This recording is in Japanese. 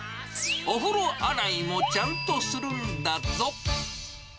お風呂洗いもちゃんとするんだぞ。